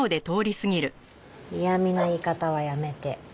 嫌みな言い方はやめて。